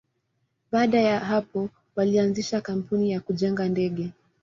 Baada ya hapo, walianzisha kampuni ya kujenga ndege.